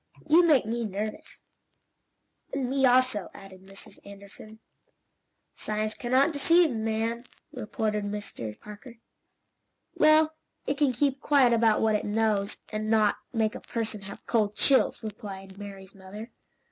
"You make me nervous." "And me, also," added Mrs. Anderson. "Science can not deceive, madam," retorted Mr. Parker. "Well it can keep quiet about what it knows, and not make a person have cold chills," replied Mary's mother.